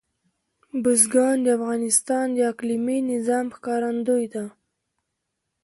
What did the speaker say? بزګان د افغانستان د اقلیمي نظام ښکارندوی ده.